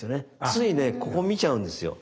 ついねここ見ちゃうんですよ。